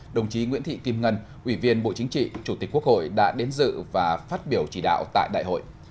đồng chí nguyễn thị kim ngân ủy viên bộ chính trị chủ tịch quốc hội đã đến dự và phát biểu chỉ đạo tại đại hội